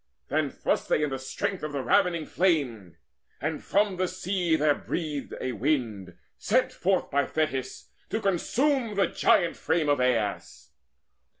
Then thrust they in the strength of ravening flame, And from the sea there breathed a wind, sent forth By Thetis, to consume the giant frame Of Aias.